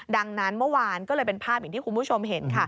ดังนั้นเมื่อวานก็เลยเป็นภาพอย่างที่คุณผู้ชมเห็นค่ะ